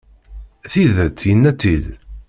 Tidet, yenna-tt-id.